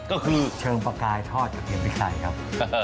ก็คือเชิงปลากายทอดกระเทียมพริกไทยครับ